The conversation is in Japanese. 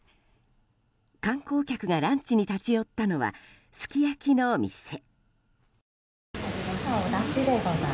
観光客がランチに立ち寄ったのはすき焼きの店。